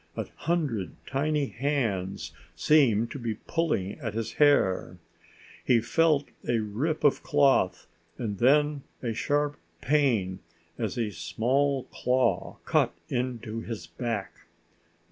A hundred tiny hands seemed to be pulling at his hair. He felt a rip of cloth and then a sharp pain as a small claw cut into his back.